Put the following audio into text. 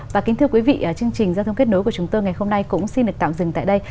và kính thưa quý vị chương trình giao thông kết nối của chúng tôi ngày hôm nay cũng xin được tạm dừng tại đây